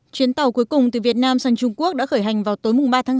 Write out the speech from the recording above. chuyến tàu cuối cùng từ việt nam sang trung quốc đã khởi hành vào tối ba tháng bốn